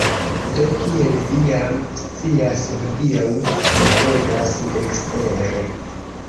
Do, kiel vi jam scias hodiaŭ pluvegas ekstere